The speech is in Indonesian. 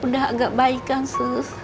udah agak baik kan sus